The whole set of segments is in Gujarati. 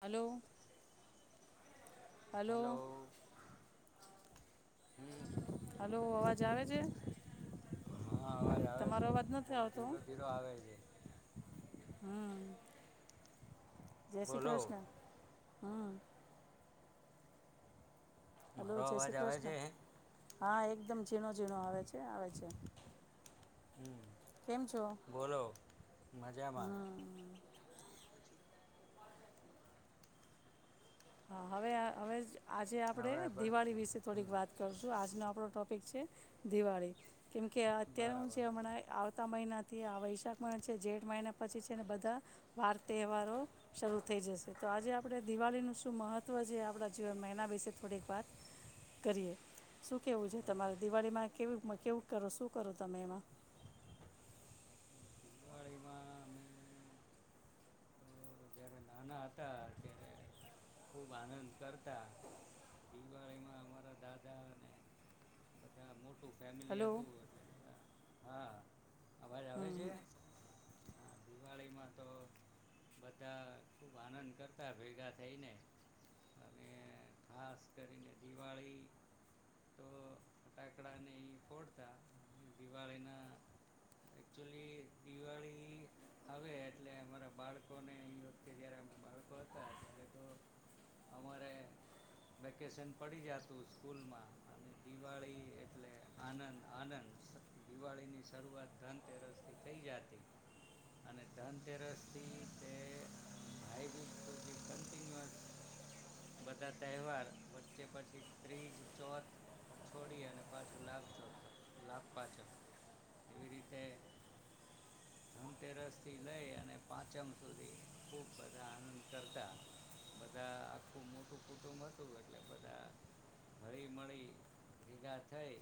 હલો. હલો, હમ હલો, અવાજ આવે છે? હા અવાજ આવે તમારો છે અવાજ બહુ નથી આવતો. ધીરો ધીરો આવે છે હમ્મ. જય શ્રી બોલો ક્રષ્ણ. હમ્મ. હલો મારો જય અવાજ શ્રી આવે કૃષ્ણ છે? હા, એકદમ ઝીણો ઝીણો આવે છે, આવે છે. કેમ છો બોલો, મજામાં. હમ હા હવે આ આવેજ આજે આપણે હવે બરાબર દિવાળી વિશે થોડીક વાત કરશું, આજનો આપણો ટોપિક છે દિવાળી કેમકે અત્યારે હું બરાબર જે હમણાં એ આવતા મહિના તે આ વૈશાખ મહિના છે, જેઠ મહિના પછી છે ને બધા વાર તહેવારો શરૂ થઈ જશે, તો આજે આપણે દિવાળીનું શુ મહત્ત્વ છે આપણા જીવનમાં એના વિશે થોડીક વાત કરીએ, શું કેવું છે તમારે?? દિવાળીમાં કેવી કેવું કરો શું કરો તમે એમાં દિવાળીમાં અમે તો જ્યારે નાના હતા ત્યારે ખૂબ આનંદ કરતા, દિવાળીમાં અમારા દાદા અને બધા મોટું ફેમિલી હલો હતું એટલે બધા હા. અવાજ આવે છે હા દિવાળી માં તો બધા ખૂબ આનંદ કરતા ભેગા થઈને અને ખાસ કરીને દિવાળી તો ફટાકડાને એ ફોડતા દિવાળીના એકચુલી દિવાળી આવે એટલે અમારા બાળકોને અહીં તે જ્યારે અમે બાળકો હતા ત્યારે તો અમારે વેકેશન પડી જતું સ્કૂલમાં અને દિવાળી એટલે આનંદ, આનંદ દિવાળીની શરૂઆત ધનતેરસથી થઈ જતી અને ધનતેરસથી તે સુધી કિન્યુસ બધા તહેવાર વચ્ચે પછી ત્રીજ ચોથ છોડી અને પાછું લાભ ચોથ લાભ પાંચમ એવી રીતે ધનતેરસ થી લઈ અને પાંચમ સુધી ખૂબ બધા આનંદ કરતા બધા આખું મોટું કુટુંબ હતું એટલે બધા હળી મળી ભેગા થઈ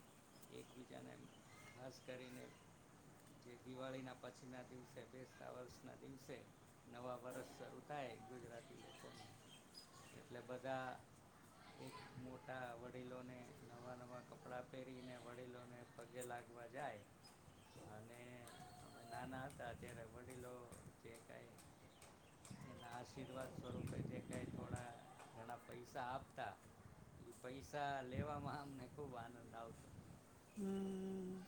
એકબીજાને ખાસ કરીને જે દિવાળીના પછીના દિવસે બેસતા વર્ષના દિવસે નવા વરષ શરૂ થાય ગુજરાતી લોકોનું એટલે બધા એક મોટા વડીલોને નવા નવા કપડાં પહેરીને વડીલોને પગે લાગવા જાય અને અમે નાના હતા ત્યારે વડીલો જે કાંઈ એના આશીર્વાદ સ્વરૂપે જે કઈ થોડા ઘણા પૈસા આપતા એ પૈસા લેવામાં અમને ખુબ આનંદ આવતો. હમ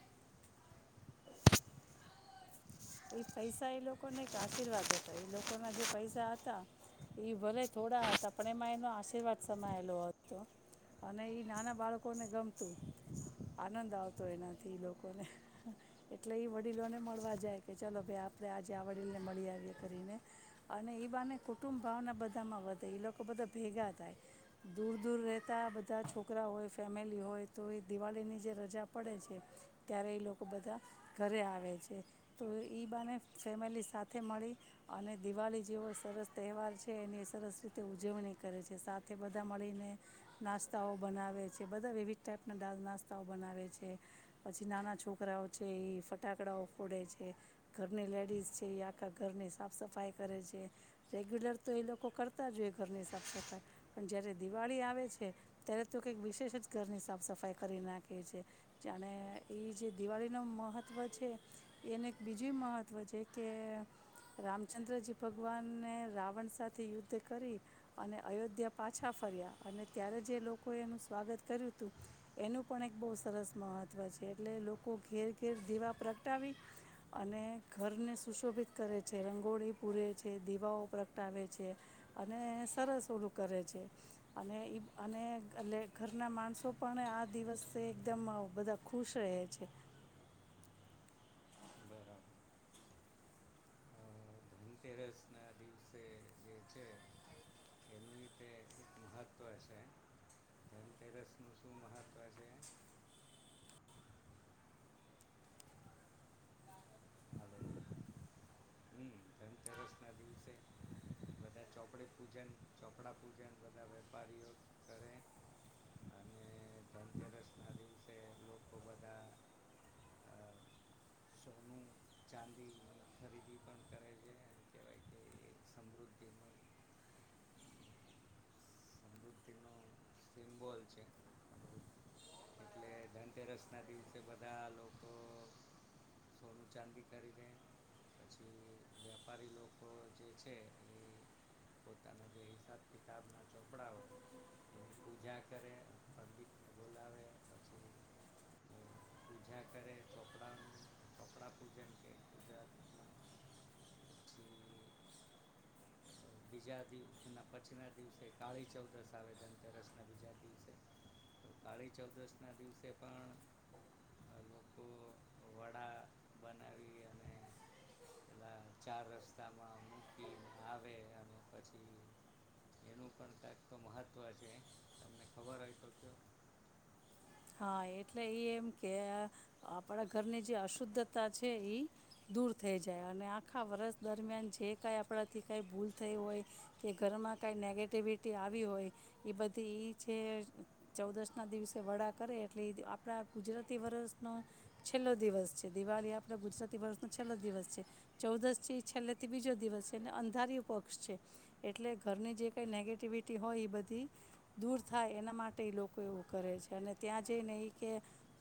એ પૈસા એ લોકોને એક આશીર્વાદ હતા એ લોકોના જે પૈસા હતા એ ભલે થોડા હતા પણ એમાં એનો આશીર્વાદ સમાયેલો હતો અને એ નાના બાળકોને ગમતું આનંદ આવતો એનાથી એ લોકોને એટલે એ વડીલોને મળવા જાય કે ચાલો ભાઈ આપણે આજે આવડીલને મળી આવીએ કરીને અને એ બને કુટુંબ ભાવના બધામાં વધે એ લોકો બધા ભેગા થાય દૂર દૂર રહેતા બધા છોકરા હોય ફેમિલી હોય તો એ દિવાળીની જે રજા પડે છે ત્યારે એ લોકો બધા ઘરે આવે છે તો ઇ બાને ફેમિલી સાથે મળી અને દિવાળી જેવો સરસ તહેવાર છે એની સરસ રીતે ઉજવણી કરે છે સાથે બધા મળીને નાસ્તાઓ બનાવે છે બધા વિવિધ ટાઈપના નાસ્તાઓ બનાવે છે પછી નાના છોકરાઓ છે એ ફટાકડાઓ ફોડે છે ઘરની લેડીઝ છે એ આખા ઘરની સાફ સફાઈ કરે છે રેગ્યુલર તો એ લોકો કરતા જ હોઈએ ઘરની સાફ સફાઈ પણ જ્યારે દિવાળી આવે છે ત્યારે તો કંઈક વિશેષ જ ઘરની સાફ સફાઈ કરી નાખે છે જાણે ઇ જ દિવાળીનું મહત્ત્વ છે એને એક બીજું મહત્ત્વ છે કે રામચંદ્રજી ભગવાનને રાવણ સાથે યુદ્ધ કરી અને અયોધ્યા પાછા ફર્યા અને ત્યારે જે લોકોએ એનું સ્વાગત કર્યું હતું એનું પણ એક બહુ સરસ મહત્ત્વ છે એટલે લોકો ઘેર ઘેર દીવા પ્રગટાવી અને ઘરને સુશોભિત કરે છે રંગોળી પૂરે છે દીવાઓ પ્રગટાવે છે અને સરસ ઓલું કરે છે અને અને એટ ઘરના માણસો પણ આ દિવસે એકદમ બધા ખુશ રહે છે બરાબર ધનતેરસના દિવસે જે છે એનું રીતે એક મહત્ત્વ છે ધનતેરસનું શું મહત્ત્વ છે છે હલો હમ ધનતેરસ ના દિવસે બધા ચોપડી પૂજન ચોપડા પૂજન બધા વેપારીઓ કરે અને ધનતેરસ ના દિવસે લોકો બધા સોનું ચાંદીની ખરીદી પણ કરે છે એમ કહેવાય કે એ સમૃદ્ધિનું સમૃદ્ધિ ન સિમ્બોલ છે, એટલે ધનતેરસ ના દિવસે બધા લોકો સોનું ચાંદી કરીને પછી વેપારી લોકો જે છે એ પોતાના જે હિસાબ કિતાબના ચોપડા હોય એની પૂજા કરે પંડિતને બોલાવે પછી પૂજા કરે ચોપડાનું, ચોપડા પૂજન કે ગુજરાતમાં પછી બીજા દિવસે પછી ના દિવસે કાળી ચૌદસ આવે ધનતેરસ ના બીજા દિવસે કાળી ચૌદસ ના દિવસે પણ અ લોકો વડા બનાવી અને પેલા ચાર રસ્તામાં મૂકીને આવે અને પછી એનું પણ કંઈક તો મહત્ત્વ છે, તમને ખબર હોય તો કયો હા એટલે એ એમ કે આપણા ઘરની જે અશુદ્ધતા છે એ દૂર થઈ જાય અને આખા વર્ષ દરમિયાન જે કાંઈ આપણાથી કાંઈ ભૂલ થઈ હોય કે ઘરમાં કાંઈ નેગેટિવિટી આવી હોય એ બધી એ છે ચૌદશના દિવસે વડાક કરે એટલે એ આપણા ગુજરાતી વર્ષનો, છેલ્લો દિવસ છે દિવાળી આપણા ગુજરાતી વર્ષનો છેલ્લો દિવસ છે, ચૌદશ છે એ છેલ્લેથી બીજો દિવસ છે અને અંધારીય પક્ષ છે, એટલે ઘરની જે કંઈ નેગેટિવિટી હોય એ બધી દૂર થાય એના માટે એ લોકો એવું કરે છે, અને ત્યાં જઈને એ કે,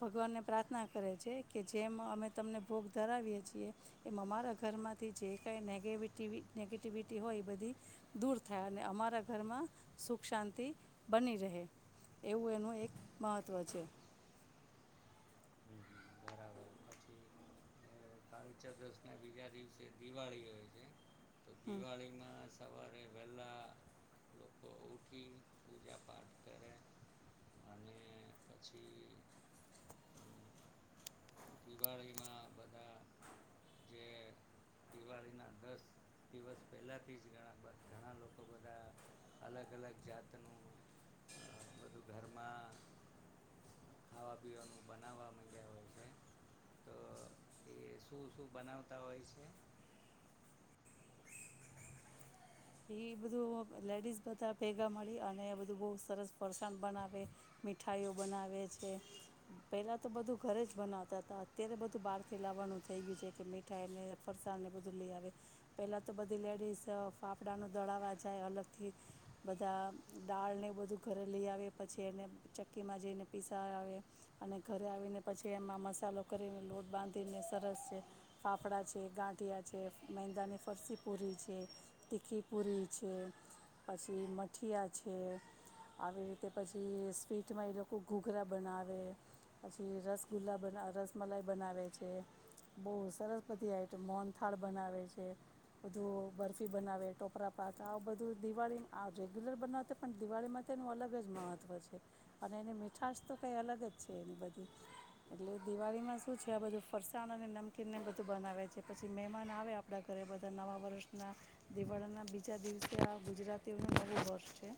ભગવાનને પ્રાર્થના કરે છે કે જેમ અમે તમને ભોગ ધરાવીએ છીએ, એમ અમારા ઘરમાંથી જે કાંઈ નેગેવિટી નેગેટિવિટી હોય એ બધી, દૂર થાય અને અમારા ઘરમાં સુખ શાંતિ બની રહે, એવું એનું એક મહત્ત્વ છે. કાળુ ચતસ ના બીજા દિવસે દિવાળી હોય છે. તો દિવાળી માં સવારે વહેલાં લોકો ઉઠી પૂજા પાઠ કરે, અને પછી દિવાળીમાં બધા જે દિવાળીના દસ દિવસ પહેલાંથી જણા ઘણા લોકો બધા, અલગ અલગ જાતનું બધું ઘરમાં ખાવા પીવાનું બનાવવા માંગ્યા હોય છે. તો એ શું શું બનાવતા હોય છે? એ બધું લેડીઝ બધા ભેગા મળી અને બધું બહુ સરસ ફરસાણ બનાવે, મીઠાઈઓ બનાવે છે, પહેલા તો બધું ઘરે જ બનાવતા હતા અત્યારે બધું બહાર થી લાવવાનું થઈ ગયું છે કે મીઠાઈ ફરસાણ ને બધું લઈ આવે, પહેલા તો બધી લેડીઝ ફાપ ફાફડાનું દળાવવા જાય અલગથી, બધા દાળને બધું ઘરે લઈ આવે પછી એને ચક્કીમાં જઈને પીસા આવે, અને ઘરે આવીને પછી એમાં મસાલો કરીને લોટ બાંધીને સરસ, ફાફડા છે, ગાંઠિયા છે મહેંદાની ફરસી પૂરી છે. તીખી પુરી છે, પછી મઠીયા છે, આવી રીતે પછી સ્વીટમાં એ લોકો ઘૂઘરા બનાવે, પછી રસગુલ્લા બના રસમલાઈ બનાવે છે, બહુ સરસ બધી આઈટમ મોનથાળ બનાવે છે, બધું બરફ ટી બનાવે ટોપરા પાક આ બધું દિવાળી આ રેગ્યુલર બનાવતા પણ દિવાળીમાં તો એનું અલગ જ મહત્ત્વ છે, અને એની મીઠાશ તો કંઈ અલગ જ છે એની બધી, એટલે દિવાળીમાં શું છે આ બધું ફરસાણ અને નમકીનને બધું બનાવે છે પછી મહેમાન આવે આપણા ઘરે બધા નવા વર્ષના. દિવાળીના બીજા દિવસે આ ગુજરાતીઓનું નવું વર્ષ છે,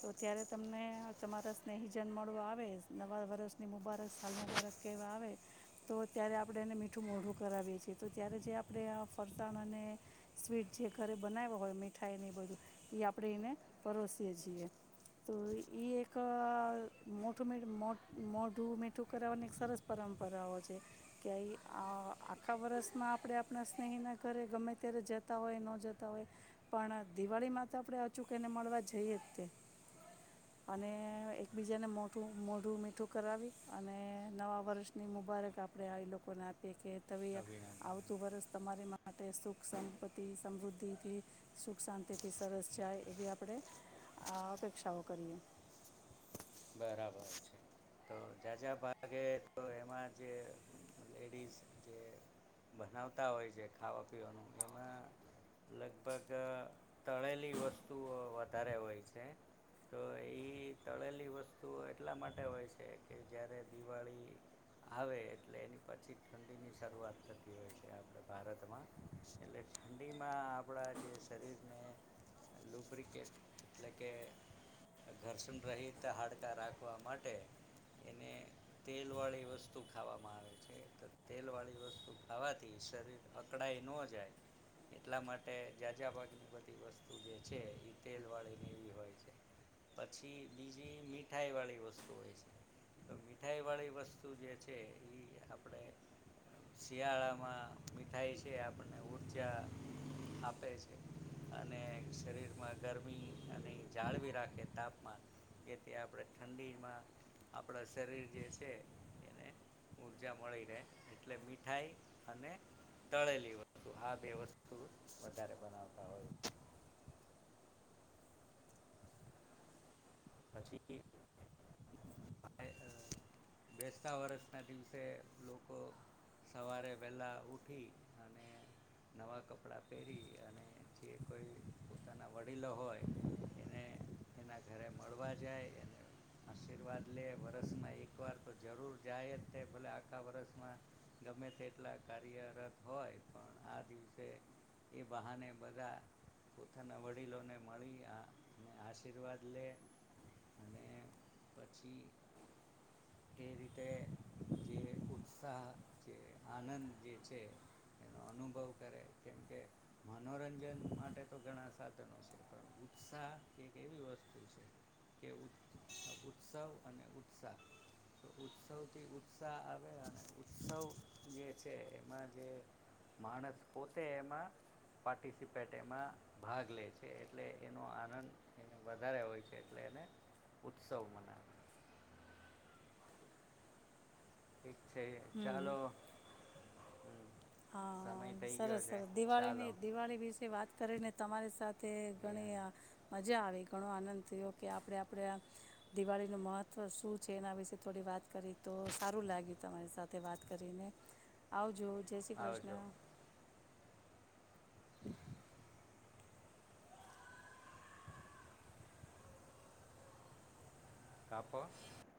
તો ત્યારે તમને તમારા સ્નેહીજન મળવા આવે નવા વર્ષની મુબારક સાલ મુબારક કહેવા આવે, તો ત્યારે આપણે એને મીઠું મોઢું કરાવીએ છીએ તો ત્યારે જે આપણે આ ફરતાણ અને, સ્વીટ જે ઘરે બનાવ્યા હોય મીઠાઈને એ બધું, એ આપણે એને પરોસીએ છીએ, તો એ એક મોઠું મોઢું મીઠું કરાવવાની એક સરસ પરંપરાઓ છે, કે આ આખા વર્ષમાં આપણે આપણા સ્નેહીના ઘરે ગમે ત્યારે જતા હોય ન હોય, પણ દિવાળીમાં તો આપણે અચૂક એને મળવા જઈએ જ તે, અને એકબીજાને મો મોઢું મીઠું કરાવી અને નવા વર્ષની મુબારક આપણે એ લોકોને આપ કે તમે, અભિનંદન આવતું વરષ તમારે માટે સુખ સંપત્તિ સમૃદ્ધિથી, સુખ શાંતિથી સરસ જાય એવી આપણે, આ અપેક્ષાઓ કરીએ. બરાબર છે, તો જાઝઝાં ભાગે તો એમાં જે લેડીઝ જે બનાવતા હોય છે ખાવા પીવાનું એમાં, લગભગ તળેલી વસ્તુઓ વધારે હોય છે, તો એ તળેલી વસ્તુ વસ્તુઓ એટલા માટે હોય છે કે જ્યારે દિવાળી આવે એટલે એની પછી ઠંડીની શરૂઆત થતી હોય છે આપણે ભારતમાં, એટલે ઠંડીમાં આપણા જે શરીરને લુબ્રિકેટ એટલે કે ઘર્ષણ રહિત હાડ રાખવા માટે, એને તેલવાળી વસ્તુ ખાવામાં આવે છે, તો તેલવાળી વસ્તુ ખાવાથી શરીર અકળાય ન જાય એટલા માટે જાઝઝા પાાગની બધી વસ્તુ જે છે એ તેલવાળીને એવી હોય છે, પછી બીજી મી મીઠાઈવાળી વસ્તુ હોય છે. તો મીઠાઈવાળી વસ્તુ જે છે ઈ આપણે શિયાળામાં મીઠાઈ છે આપણને ઊર્જા આપે છે અને શરીરમાં ગરમી અને જાળવી રાખે તાપમાન એથી આપ પણે ઠંડીમાં આપણા શરીર જે છે એને ઊર્જા મળી રહે એટલે મીઠાઈ અને તળેલી વસ્તુ આ બે વસ્તુ વધારે બનાવતા હોય. પછી [inaudible] બેસતા વરષના દિવસે લોકો સવારે વહેલા ઉઠી અને નવા કપડા પહેરી અને જે કોઈ પોતાના વડીલો હોય એને એના ઘરે મળવા જાય અને આશીર્વાદ લે વરસમાં એકવાર તો જરૂર જાય જ તે ભલે આખા વરસમાં ગમે તે એટલા કાર્યરત હોય પણ આ દિવસે એ બહાને બધા પોતાના વડીલોને મળી આ ને આશીર્વાદ લે અને પછી એ રીતે જે ઉત્સાહ જે આનંદ જે છે એનો અનુભવ કરે કેમકે મનોરંજન માટે તો ઘણા સાધનો છે પણ ઉત્સાહ એક એવી વસ્તુ છે કે ઉત-ઉત્સવ અને ઉત્સાહ તો ઉત્સવ થી ઉત્સાહ આવે અને ઉત્સવ જે છે એમાં જે માણસ પોતે એમાં પાર્ટિસિપેટ એમાં ભાગ લે છે એટલે એનો આનંદ એને વધારે હોય છે. ટલે અને ઉત્સવ મના ઠીક છે ચાલો હમ હા સમય થઈ ગયો સરસ છે સરસ ચાલો દિવાળીની દિવાળી વિશે વાત કરીને તમારી સાથે એ ઘણી આહ મજા આવી ઘણો આનંદ થયો કે આપણે આપણે આ દિવાળીનું મહત્ત્વ શું છે એના વિશે થોડી વાત કરી તો સારું લાગ્યું તમારી સાથે વાત કરીને, આવજો. જય શ્રી આવજો. કૃષ્ણ કાપો.